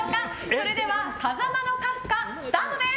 それでは風間のカフカスタートです！